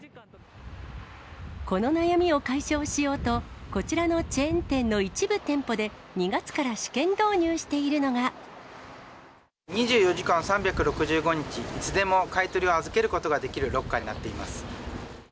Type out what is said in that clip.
この悩みを解消しようと、こちらのチェーン店の一部店舗で、２４時間３６５日、いつでも買い取りを預けることができるロッカーになっています。